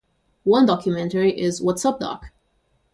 One documentary is What's Up, Doc?